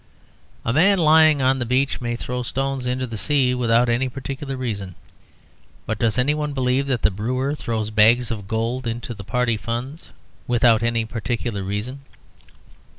A man lying on the beach may throw stones into the sea without any particular reason. But does any one believe that the brewer throws bags of gold into the party funds without any particular reason?